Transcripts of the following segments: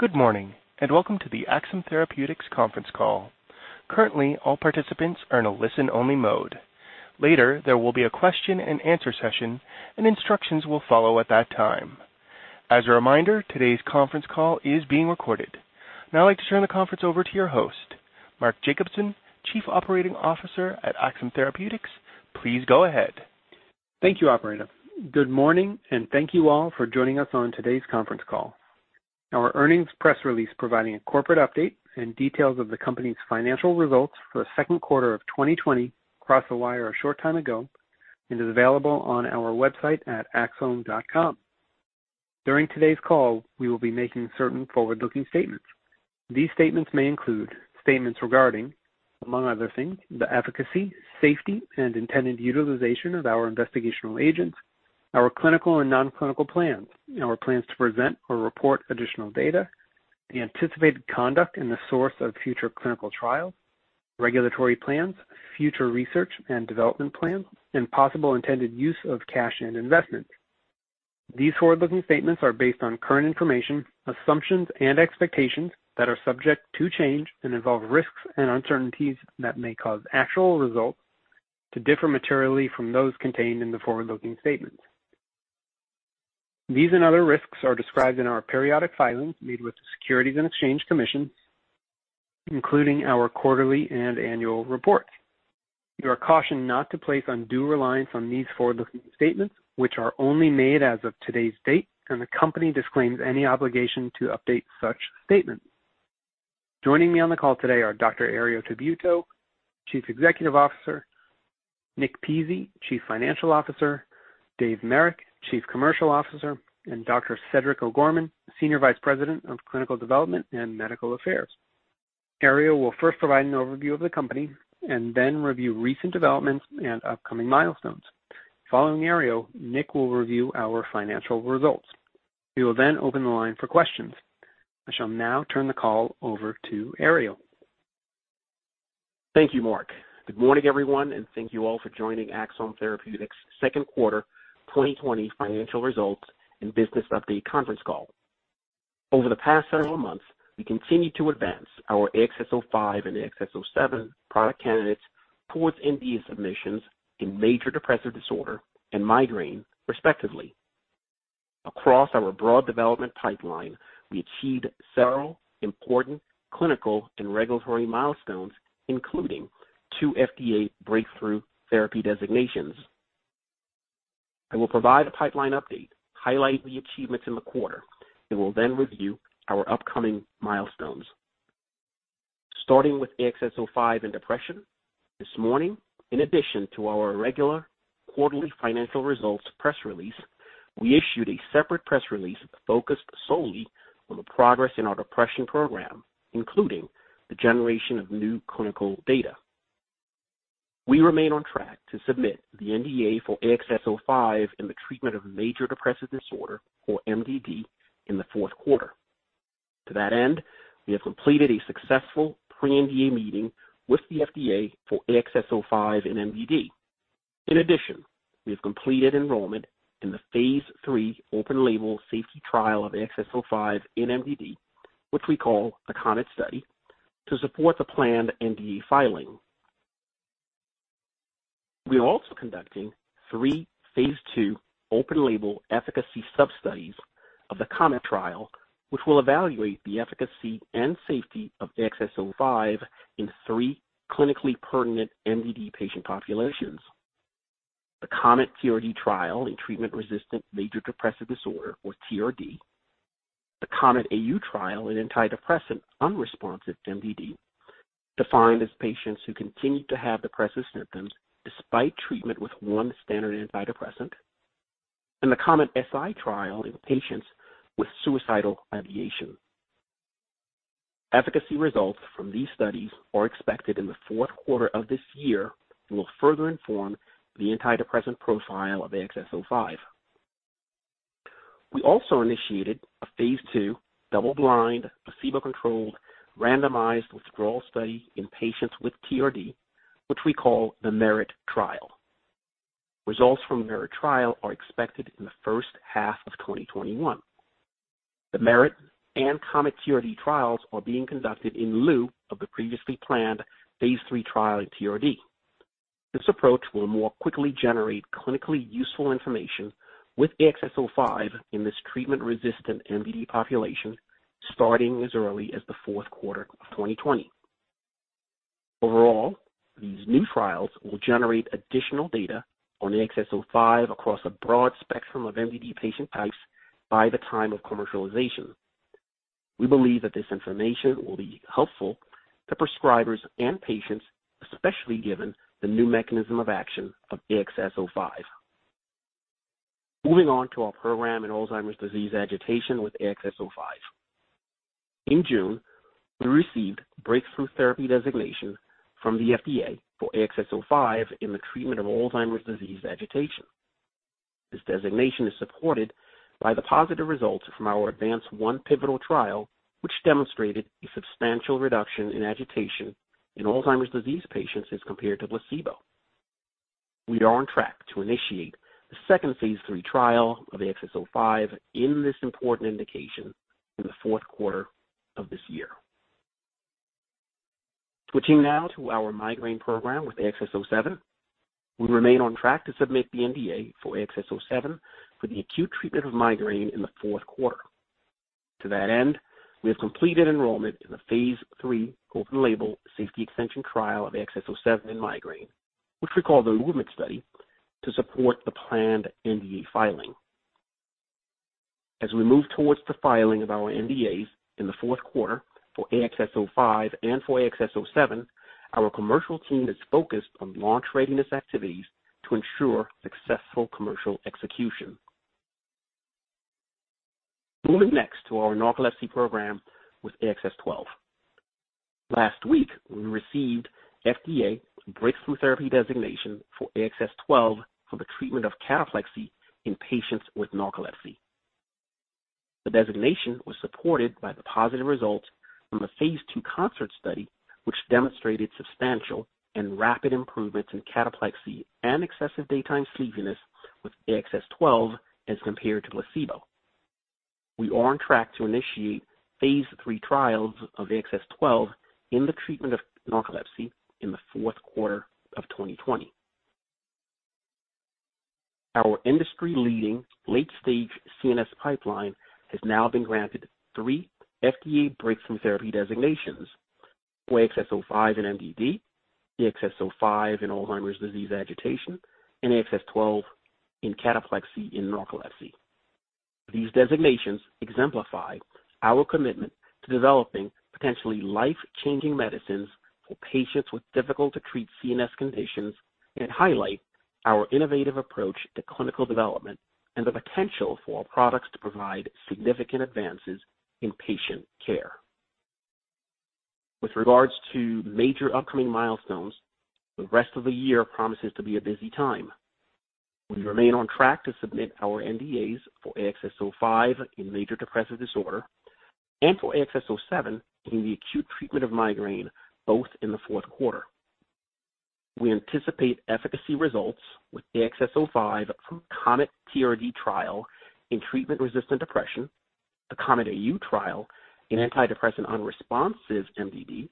Good morning. Welcome to the Axsome Therapeutics Conference Call. Currently, all participants are in a listen-only mode. Later, there will be a question-and-answer session, and instructions will follow at that time. As a reminder, today's conference all is being recorded. Now I'd like to turn the conference over to your host, Mark Jacobson, Chief Operating Officer at Axsome Therapeutics. Please go ahead. Thank you, operator. Good morning, and thank you all for joining us on today's conference call. Our earnings press release providing a corporate update and details of the company's financial results for the second quarter of 2020 crossed the wire a short time ago and is available on our website at axsome.com. During today's call, we will be making certain forward-looking statements. These statements may include statements regarding, among other things, the efficacy, safety, and intended utilization of our investigational agents, our clinical and non-clinical plans, our plans to present or report additional data, the anticipated conduct and the source of future clinical trials, regulatory plans, future research and development plans, and possible intended use of cash and investments. These forward-looking statements are based on current information, assumptions, and expectations that are subject to change and involve risks and uncertainties that may cause actual results to differ materially from those contained in the forward-looking statements. These and other risks are described in our periodic filings made with the Securities and Exchange Commission, including our quarterly and annual reports. You are cautioned not to place undue reliance on these forward-looking statements, which are only made as of today's date, and the company disclaims any obligation to update such statements. Joining me on the call today are Dr. Herriot Tabuteau, Chief Executive Officer, Nick Pizzie, Chief Financial Officer, David Maddocks, Chief Commercial Officer, and Dr. Cedric O'Gorman, Senior Vice President of Clinical Development and Medical Affairs. Herriot will first provide an overview of the company and then review recent developments and upcoming milestones. Following Herriot, Nick will review our financial results. We will open the line for questions. I shall now turn the call over to Herriot. Thank you, Mark. Good morning, everyone, and thank you all for joining Axsome Therapeutics' second quarter 2020 financial results and business update conference call. Over the past several months, we continued to advance our AXS-05 and AXS-07 product candidates towards NDA submissions in major depressive disorder and migraine, respectively. Across our broad development pipeline, we achieved several important clinical and regulatory milestones, including two FDA breakthrough therapy designations. I will provide a pipeline update, highlight the achievements in the quarter, and will then review our upcoming milestones. Starting with AXS-05 and depression. This morning, in addition to our regular quarterly financial results press release, we issued a separate press release focused solely on the progress in our depression program, including the generation of new clinical data. We remain on track to submit the NDA for AXS-05 in the treatment of major depressive disorder, or MDD, in the fourth quarter. To that end, we have completed a successful pre-NDA meeting with the FDA for AXS-05 and MDD. In addition, we have completed enrollment in the phase III open-label safety trial of AXS-05 in MDD, which we call the COMET study, to support the planned NDA filing. We are also conducting three phase II open-label efficacy sub-studies of the COMET trial, which will evaluate the efficacy and safety of AXS-05 in three clinically pertinent MDD patient populations. The COMET-TRD trial in treatment-resistant major depressive disorder, or TRD. The COMET-AU trial in antidepressant-unresponsive MDD, defined as patients who continue to have depressive symptoms despite treatment with one standard antidepressant. The COMET-SI trial in patients with suicidal ideation. Efficacy results from these studies are expected in the fourth quarter of this year and will further inform the antidepressant profile of AXS-05. We also initiated a phase II double-blind, placebo-controlled, randomized withdrawal study in patients with TRD, which we call the MERIT trial. Results from the MERIT trial are expected in the first half of 2021. The MERIT and COMET-TRD trials are being conducted in lieu of the previously planned phase III trial in TRD. This approach will more quickly generate clinically useful information with AXS-05 in this treatment-resistant MDD population starting as early as the fourth quarter of 2020. Overall, these new trials will generate additional data on AXS-05 across a broad spectrum of MDD patient types by the time of commercialization. We believe that this information will be helpful to prescribers and patients, especially given the new mechanism of action of AXS-05. Moving on to our program in Alzheimer's disease agitation with AXS-05. In June, we received breakthrough therapy designation from the FDA for AXS-05 in the treatment of Alzheimer's disease agitation. This designation is supported by the positive results from our ADVANCE-1 pivotal trial, which demonstrated a substantial reduction in agitation in Alzheimer's disease patients as compared to placebo. We are on track to initiate the second phase III trial of AXS-05 in this important indication in the fourth quarter of this year. Switching now to our migraine program with AXS-07. We remain on track to submit the NDA for AXS-07 for the acute treatment of migraine in the fourth quarter. To that end, we have completed enrollment in the phase III open label safety extension trial of AXS-05 in migraine, which we call the MOVEMENT study, to support the planned NDA filing. As we move towards the filing of our NDAs in the fourth quarter for AXS-05 and for AXS-07, our commercial team is focused on launch readiness activities to ensure successful commercial execution. Moving next to our narcolepsy program with AXS-12. Last week, we received FDA breakthrough therapy designation for AXS-12 for the treatment of cataplexy in patients with narcolepsy. The designation was supported by the positive results from the phase II CONCERT study, which demonstrated substantial and rapid improvements in cataplexy and excessive daytime sleepiness with AXS-12 as compared to placebo. We are on track to initiate phase III trials of AXS-12 in the treatment of narcolepsy in the fourth quarter of 2020. Our industry leading late-stage CNS pipeline has now been granted three FDA breakthrough therapy designations for AXS-05 in MDD, AXS-05 in Alzheimer's disease agitation, and AXS-12 in cataplexy in narcolepsy. These designations exemplify our commitment to developing potentially life-changing medicines for patients with difficult to treat CNS conditions and highlight our innovative approach to clinical development and the potential for our products to provide significant advances in patient care. With regards to major upcoming milestones, the rest of the year promises to be a busy time. We remain on track to submit our NDAs for AXS-05 in major depressive disorder and for AXS-07 in the acute treatment of migraine, both in the fourth quarter. We anticipate efficacy results with AXS-05 from COMET-TRD trial in treatment-resistant depression, the COMET-AU trial in antidepressant unresponsive MDD,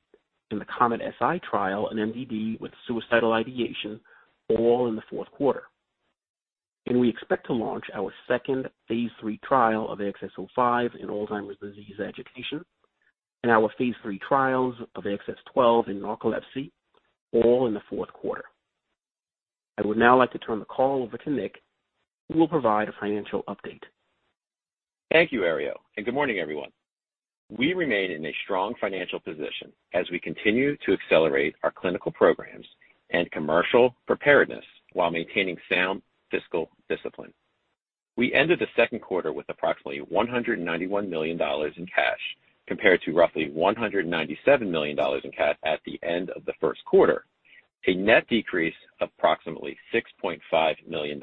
and the COMET-SI trial in MDD with suicidal ideation all in the fourth quarter. We expect to launch our second phase III trial of AXS-05 in Alzheimer's disease agitation and our phase III trials of AXS-12 in narcolepsy all in the fourth quarter. I would now like to turn the call over to Nick, who will provide a financial update. Thank you, Herriot, good morning, everyone. We remain in a strong financial position as we continue to accelerate our clinical programs and commercial preparedness while maintaining sound fiscal discipline. We ended the second quarter with approximately $191 million in cash compared to roughly $197 million in cash at the end of the first quarter, a net decrease of approximately $6.5 million.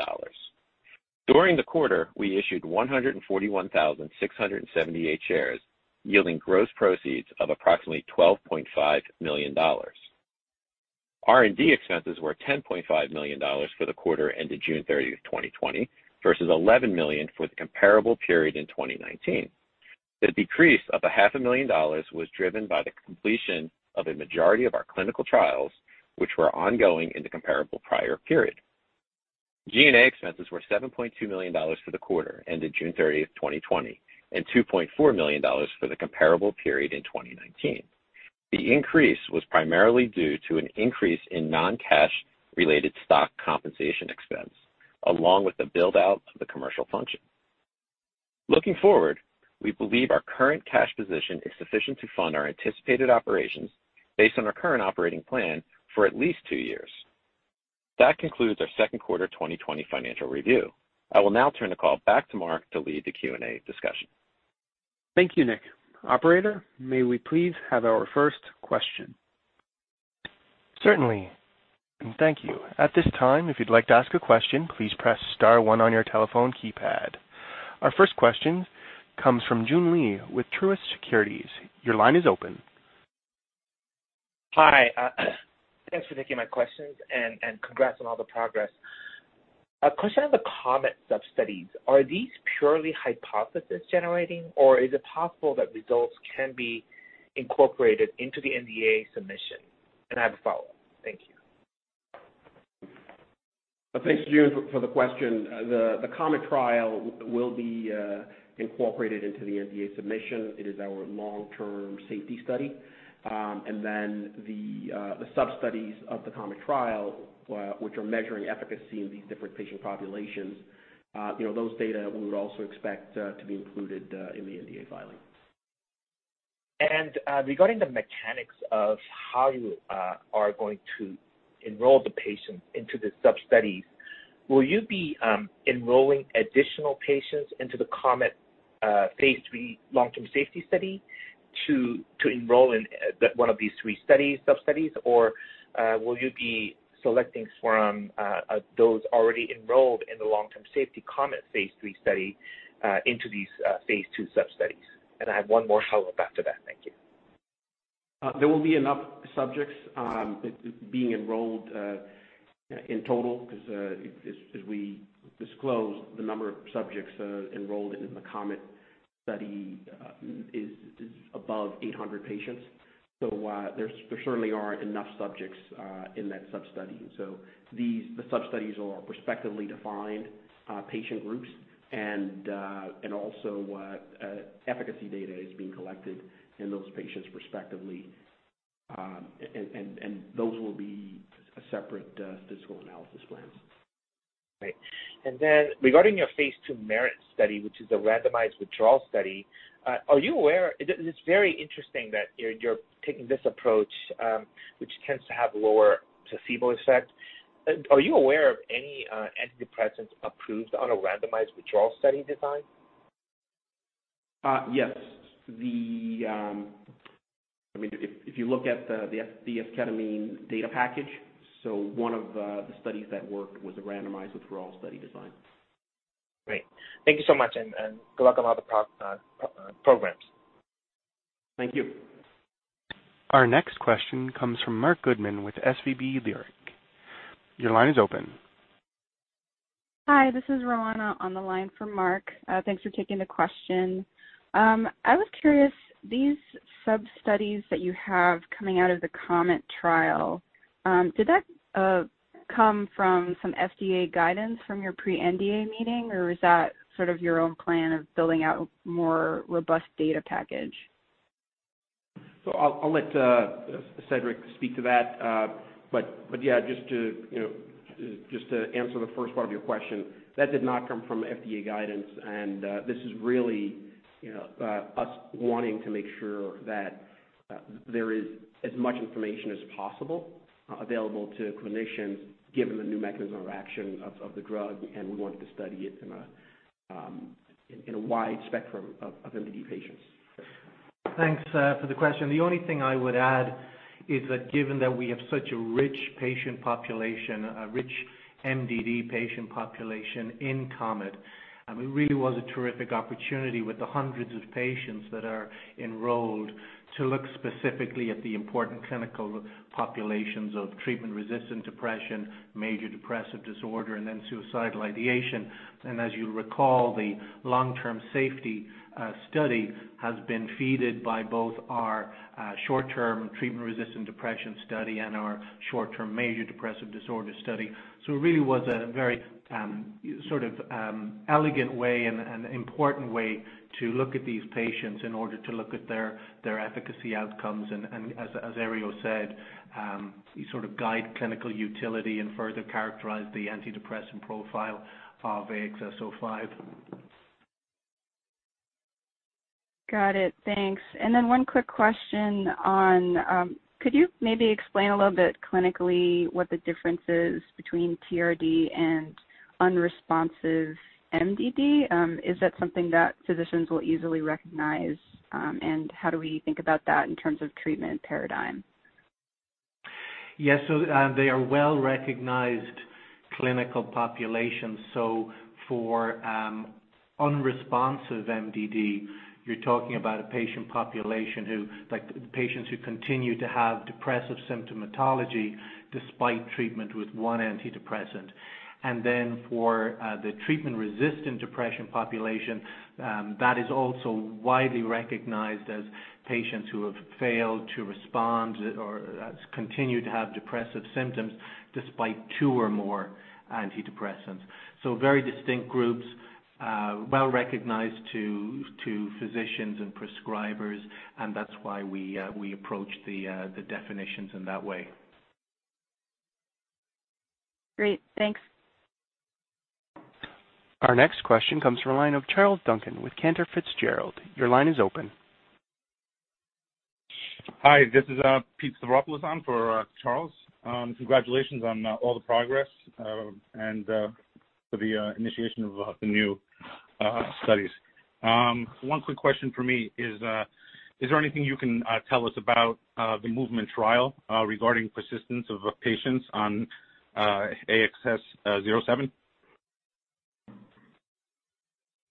During the quarter, we issued 141,678 shares, yielding gross proceeds of approximately $12.5 million. R&D expenses were $10.5 million for the quarter ended June 30th, 2020, versus $11 million for the comparable period in 2019. The decrease of a $500,000 was driven by the completion of a majority of our clinical trials, which were ongoing in the comparable prior period. G&A expenses were $7.2 million for the quarter ended June 30th, 2020, and $2.4 million for the comparable period in 2019. The increase was primarily due to an increase in non-cash related stock compensation expense, along with the build-out of the commercial function. Looking forward, we believe our current cash position is sufficient to fund our anticipated operations based on our current operating plan for at least two years. That concludes our second quarter 2020 financial review. I will now turn the call back to Mark to lead the Q&A discussion. Thank you, Nick. Operator, may we please have our first question? Certainly. Thank you. At this time, if you'd like to ask a question, please press star one on your telephone keypad. Our first question comes from Joon Lee with Truist Securities. Your line is open. Hi. Thanks for taking my questions and congrats on all the progress. A question on the COMET sub-studies. Are these purely hypothesis generating or is it possible that results can be incorporated into the NDA submission? I have a follow-up. Thank you. Thanks, Joon, for the question. The COMET trial will be incorporated into the NDA submission. It is our long-term safety study. The sub-studies of the COMET trial, which are measuring efficacy in these different patient populations, those data we would also expect to be included in the NDA filing. Regarding the mechanics of how you are going to enroll the patients into the sub-studies, will you be enrolling additional patients into the COMET phase III long-term safety study to enroll in one of these three sub-studies, or will you be selecting from those already enrolled in the long-term safety COMET phase III study into these phase II sub-studies? I have one more follow-up after that. Thank you. There will be enough subjects being enrolled in total, because as we disclosed, the number of subjects enrolled in the COMET study is above 800 patients. There certainly are enough subjects in that substudy. The substudies are prospectively defined patient groups, and also efficacy data is being collected in those patients prospectively. Those will be separate statistical analysis plans. Right. Regarding your phase II MERIT study, which is a randomized withdrawal study, it's very interesting that you're taking this approach, which tends to have lower placebo effect. Are you aware of any antidepressants approved on a randomized withdrawal study design? Yes. If you look at the esketamine data package, so one of the studies that worked was a randomized withdrawal study design. Great. Thank you so much, and good luck on all the programs. Thank you. Our next question comes from Marc Goodman with SVB Leerink. Your line is open. Hi, this is Roanna on the line for Marc. Thanks for taking the question. I was curious, these substudies that you have coming out of the COMET trial, did that come from some FDA guidance from your pre-NDA meeting, or was that sort of your own plan of building out a more robust data package? I'll let Cedric speak to that. Yeah, just to answer the first part of your question, that did not come from FDA guidance. This is really us wanting to make sure that there is as much information as possible available to clinicians, given the new mechanism of action of the drug, and we wanted to study it in a wide spectrum of MDD patients. Thanks for the question. The only thing I would add is that given that we have such a rich patient population, a rich MDD patient population in COMET, it really was a terrific opportunity with the hundreds of patients that are enrolled to look specifically at the important clinical populations of treatment-resistant depression, major depressive disorder, and suicidal ideation. As you'll recall, the long-term safety study has been fed by both our short-term treatment-resistant depression study and our short-term major depressive disorder study. It really was a very elegant way and an important way to look at these patients in order to look at their efficacy outcomes and, as Herriot said, sort of guide clinical utility and further characterize the antidepressant profile of AXS-05. Got it. Thanks. One quick question on, could you maybe explain a little bit clinically what the difference is between TRD and unresponsive MDD? Is that something that physicians will easily recognize? How do we think about that in terms of treatment paradigm? Yeah. They are well-recognized clinical populations. For unresponsive MDD, you're talking about a patient population, like patients who continue to have depressive symptomatology despite treatment with one antidepressant. For the treatment-resistant depression population, that is also widely recognized as patients who have failed to respond or continue to have depressive symptoms despite two or more antidepressants. Very distinct groups, well-recognized to physicians and prescribers, and that's why we approach the definitions in that way. Great. Thanks. Our next question comes from the line of Charles Duncan with Cantor Fitzgerald. Your line is open. Hi, this is Pete Stavropoulos on for Charles. Congratulations on all the progress and for the initiation of the new studies. One quick question from me, is there anything you can tell us about the MOVEMENT trial regarding persistence of patients on AXS-07?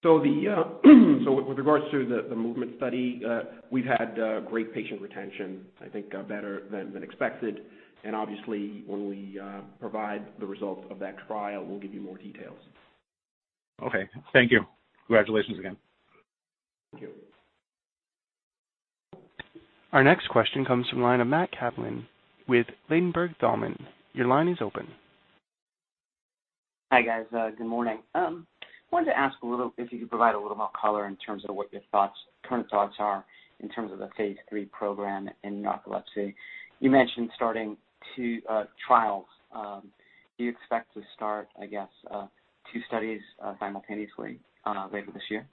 With regards to the MOVEMENT study, we've had great patient retention, I think better than expected. Obviously when we provide the results of that trial, we'll give you more details. Okay. Thank you. Congratulations again. Thank you. Our next question comes from the line of Matt Kaplan with Ladenburg Thalmann. Your line is open. Hi, guys. Good morning. Wanted to ask if you could provide a little more color in terms of what your current thoughts are in terms of the phase III program in narcolepsy. You mentioned starting two trials. Do you expect to start, I guess, two studies simultaneously later this year?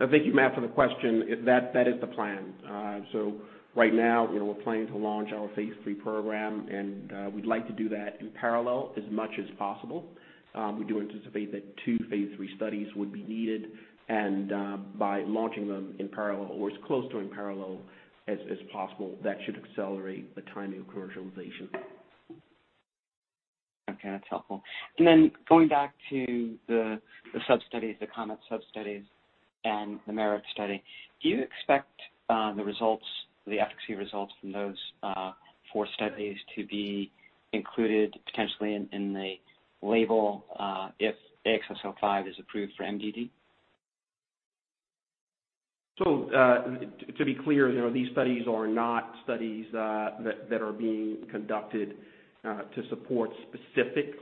Thank you, Matt, for the question. That is the plan. Right now, we're planning to launch our phase III program, and we'd like to do that in parallel as much as possible. We do anticipate that two phase III studies would be needed, and by launching them in parallel or as close to in parallel as possible, that should accelerate the timing of commercialization. Okay, that's helpful. Going back to the sub-studies, the COMET sub-studies and the MERIT study, do you expect the efficacy results from those four studies to be included potentially in the label if AXS-05 is approved for MDD? To be clear, these studies are not studies that are being conducted to support specific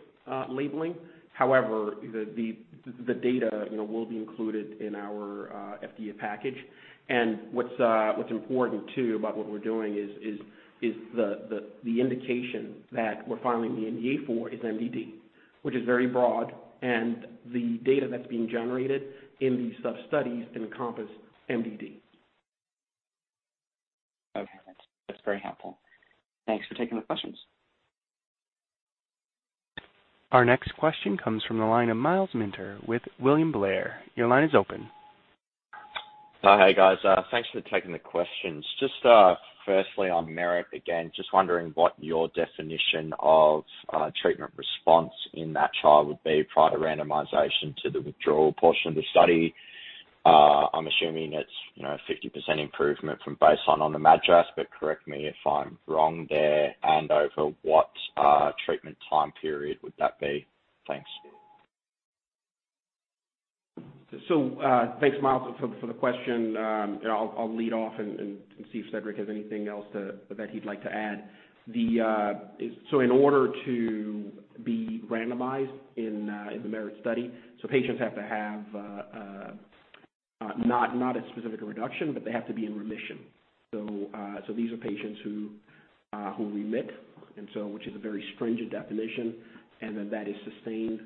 labeling. However, the data will be included in our FDA package. What's important too about what we're doing is the indication that we're filing the NDA for is MDD, which is very broad, and the data that's being generated in these sub-studies can encompass MDD. Okay. That's very helpful. Thanks for taking the questions. Our next question comes from the line of Myles Minter with William Blair. Your line is open. Oh, hey, guys. Thanks for taking the questions. Just firstly on MERIT, again, just wondering what your definition of treatment response in that trial would be, prior to randomization to the withdrawal portion of the study. I'm assuming it's 50% improvement from baseline on the MADRS, but correct me if I'm wrong there, and over what treatment time period would that be? Thanks. Thanks, Myles, for the question. I'll lead off and see if Cedric has anything else that he'd like to add. In order to be randomized in the MERIT study, patients have to have not a specific reduction, but they have to be in remission. These are patients who remit, which is a very stringent definition, that is sustained.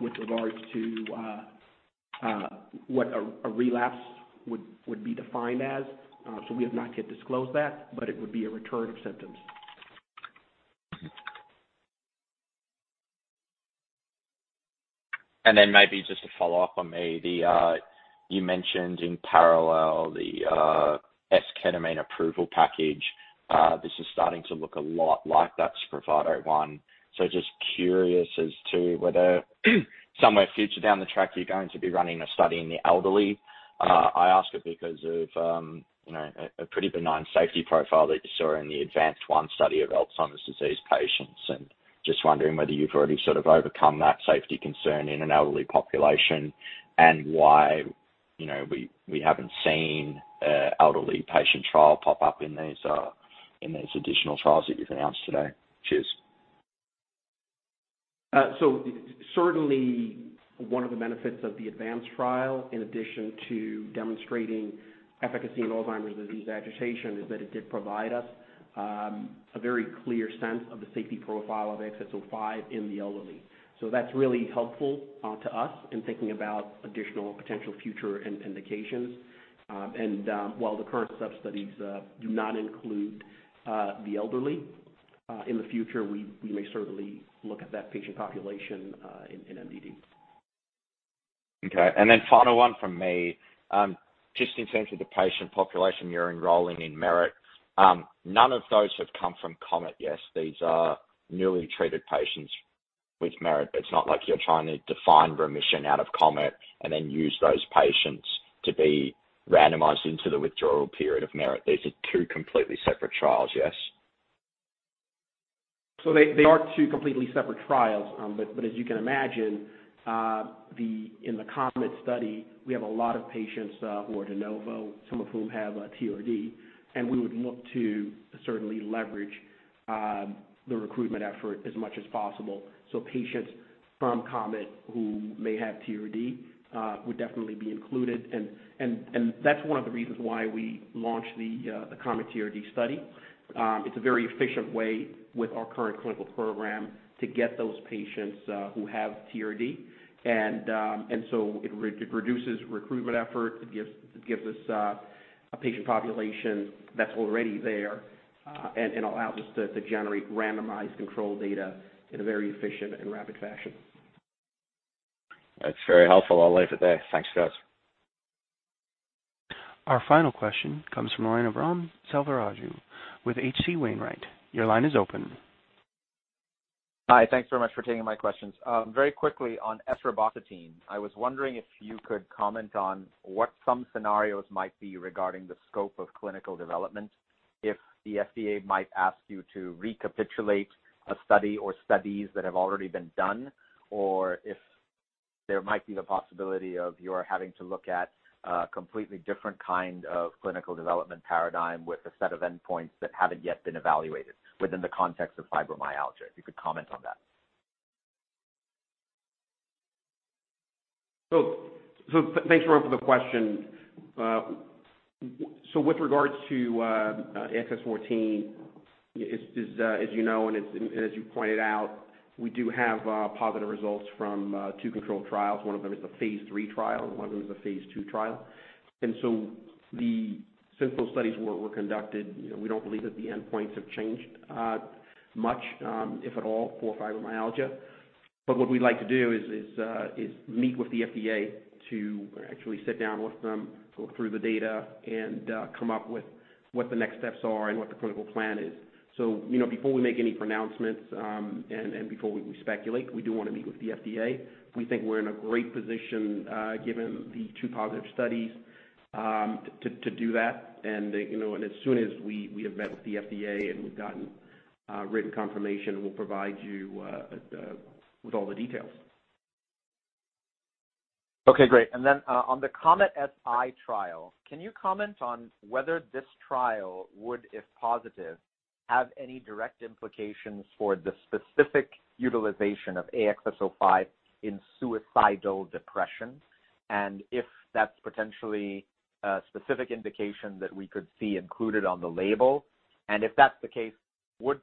With regards to what a relapse would be defined as, we have not yet disclosed that, but it would be a return of symptoms. Maybe just to follow up on maybe you mentioned in parallel the esketamine approval package. This is starting to look a lot like that SPRAVATO one. Just curious as to whether somewhere future down the track, you're going to be running a study in the elderly. I ask it because of a pretty benign safety profile that you saw in the ADVANCE-1 study of Alzheimer's disease patients, and just wondering whether you've already sort of overcome that safety concern in an elderly population and why we haven't seen an elderly patient trial pop up in these additional trials that you've announced today. Cheers. Certainly, one of the benefits of the ADVANCE-1 trial, in addition to demonstrating efficacy in Alzheimer's disease agitation, is that it did provide us a very clear sense of the safety profile of AXS-05 in the elderly. That's really helpful to us in thinking about additional potential future indications. While the current sub-studies do not include the elderly in the future, we may certainly look at that patient population in MDD. Okay. Final one from me. Just in terms of the patient population you're enrolling in MERIT, none of those have come from COMET, yes? These are newly treated patients with MERIT. It's not like you're trying to define remission out of COMET and then use those patients to be randomized into the withdrawal period of MERIT. These are two completely separate trials, yes? They are two completely separate trials. As you can imagine in the COMET study, we have a lot of patients who are de novo, some of whom have TRD, and we would look to certainly leverage the recruitment effort as much as possible. Patients from COMET who may have TRD would definitely be included, and that's one of the reasons why we launched the COMET-TRD study. It's a very efficient way with our current clinical program to get those patients who have TRD. It reduces recruitment effort. It gives us a patient population that's already there and allows us to generate randomized control data in a very efficient and rapid fashion. That's very helpful. I'll leave it there. Thanks, guys. Our final question comes from the line of Ram Selvaraju with H.C. Wainwright. Your line is open. Hi. Thanks very much for taking my questions. Very quickly on esreboxetine, I was wondering if you could comment on what some scenarios might be regarding the scope of clinical development if the FDA might ask you to recapitulate a study or studies that have already been done, or if there might be the possibility of your having to look at a completely different kind of clinical development paradigm with a set of endpoints that haven't yet been evaluated within the context of fibromyalgia, if you could comment on that. Thanks, Ram, for the question. With regards to AXS-14, as you know and as you pointed out, we do have positive results from two controlled trials. One of them is a phase III trial, and one of them is a phase II trial. Since those studies were conducted, we don't believe that the endpoints have changed much, if at all, for fibromyalgia. What we'd like to do is meet with the FDA to actually sit down with them, go through the data, and come up with what the next steps are and what the clinical plan is. Before we make any pronouncements, and before we speculate, we do want to meet with the FDA. We think we're in a great position, given the two positive studies, to do that. As soon as we have met with the FDA and we've gotten written confirmation, we'll provide you with all the details. Okay, great. On the COMET-SI trial, can you comment on whether this trial would, if positive, have any direct implications for the specific utilization of AXS-05 in suicidal depression? If that's potentially a specific indication that we could see included on the label, and if that's the case, would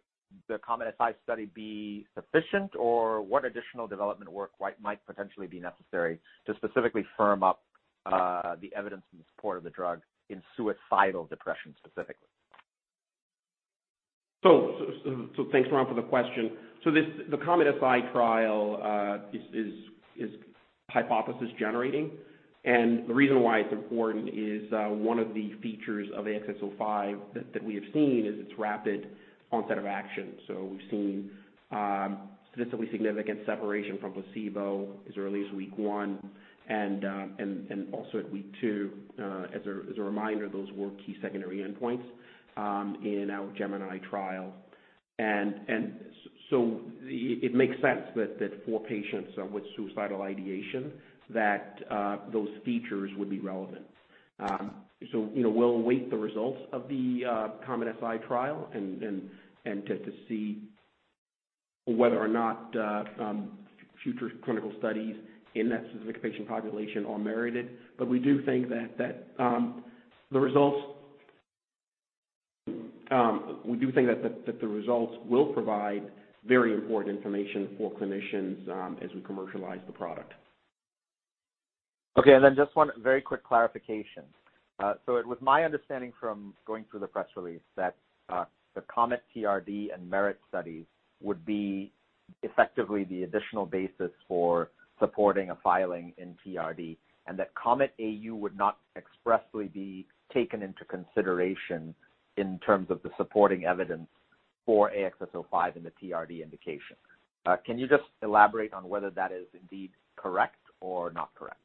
the COMET-SI study be sufficient, or what additional development work might potentially be necessary to specifically firm up the evidence in support of the drug in suicidal depression specifically? Thanks, Ram, for the question. The COMET-SI trial is hypothesis-generating. The reason why it's important is one of the features of AXS-05 that we have seen is its rapid onset of action. We've seen statistically significant separation from placebo as early as week one and also at week two. As a reminder, those were key secondary endpoints in our GEMINI trial. It makes sense that for patients with suicidal ideation, that those features would be relevant. We'll await the results of the COMET-SI trial and get to see whether or not future clinical studies in that specific patient population are merited. We do think that the results will provide very important information for clinicians as we commercialize the product. Just one very quick clarification. It was my understanding from going through the press release that the COMET-TRD and MERIT studies would be effectively the additional basis for supporting a filing in TRD and that COMET-AU would not expressly be taken into consideration in terms of the supporting evidence for AXS-05 in the TRD indication. Can you just elaborate on whether that is indeed correct or not, correct?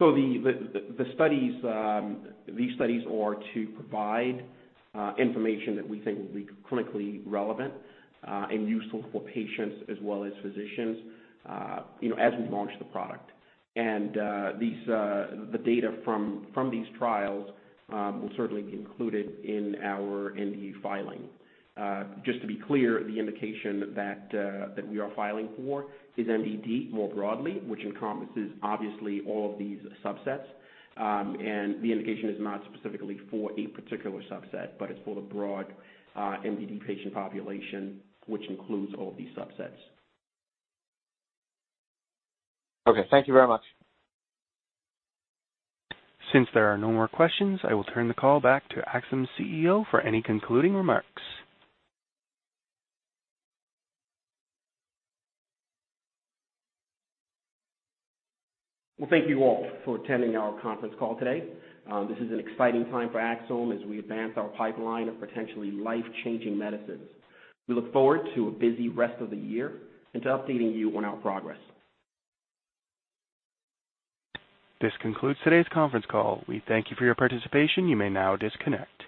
These studies are to provide information that we think will be clinically relevant and useful for patients as well as physicians as we launch the product. The data from these trials will certainly be included in our NDA filing. Just to be clear, the indication that we are filing for is MDD more broadly, which encompasses, obviously, all of these subsets. The indication is not specifically for a particular subset, but it's for the broad MDD patient population, which includes all of these subsets. Okay. Thank you very much. Since there are no more questions, I will turn the call back to Axsome's CEO for any concluding remarks. Well, thank you all for attending our conference call today. This is an exciting time for Axsome as we advance our pipeline of potentially life-changing medicines. We look forward to a busy rest of the year and to updating you on our progress. This concludes today's conference call. We thank you for your participation. You may now disconnect.